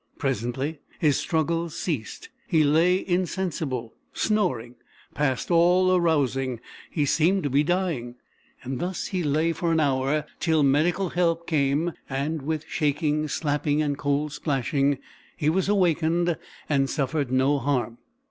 Presently his struggles ceased; he lay insensible, snoring, past all arousing; he seemed to be dying. And thus he lay for an hour, till medical help came and, with shaking, slapping, and cold splashing, he was awakened and suffered no harm.